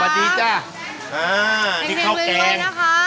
อ่าที่ข้าวแกง